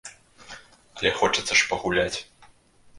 Але хочацца ж пагуляць!